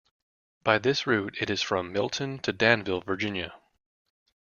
By this route it is from Milton to Danville, Virginia.